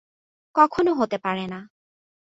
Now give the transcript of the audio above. কখনো হতে পারে না।